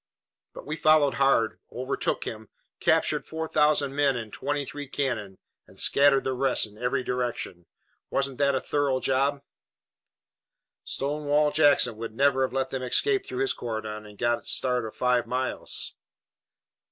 But we followed hard, overtook him, captured four thousand men and twenty three cannon and scattered the rest in every direction. Wasn't that a thorough job?" "Stonewall Jackson would never have let them escape through his cordon and get a start of five miles."